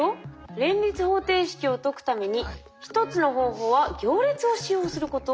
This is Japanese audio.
「連立方程式を解くために一つの方法は行列を使用することです」。